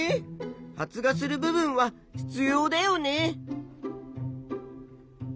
発芽する部分は必要だよね。